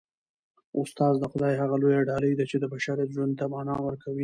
استاد د خدای هغه لویه ډالۍ ده چي د بشریت ژوند ته مانا ورکوي.